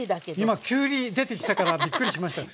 今「きゅうり」出てきたからびっくりしました。